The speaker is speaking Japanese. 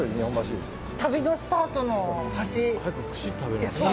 旅のスタートの橋。